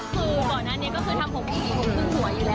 คือก่อนอันนี้ก็คือทำผมดีผมเพิ่งสวยอยู่แล้ว